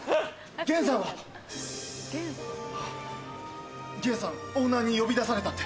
源さんオーナーに呼び出されたって。